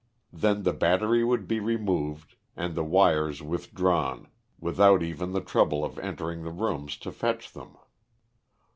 Then the battery would be removed and the wires withdrawn without even the trouble of entering the rooms to fetch them.